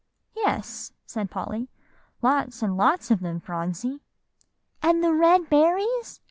"Yes," said Polly, "lots and lots of them, Phronsie." "And the red berries?"